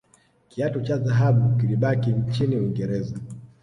kiatu cha dhahabu kilibaki nchini uingereza